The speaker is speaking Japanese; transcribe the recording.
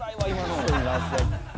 すいません。